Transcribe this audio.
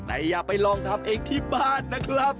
แต่อย่าไปลองทำเองที่บ้านนะครับ